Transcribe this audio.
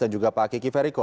dan juga pak kiki feriko